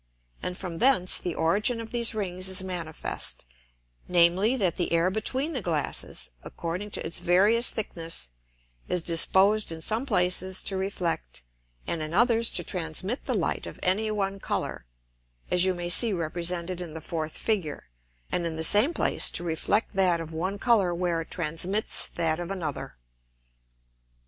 And from thence the origin of these Rings is manifest; namely, that the Air between the Glasses, according to its various thickness, is disposed in some places to reflect, and in others to transmit the Light of any one Colour (as you may see represented in the fourth Figure) and in the same place to reflect that of one Colour where it transmits that of another.